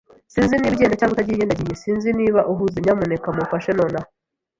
Sinzi niba ugenda cyangwa utagiye. Ndagiye. Sinzi niba uhuze. Nyamuneka mumfashe nonaha.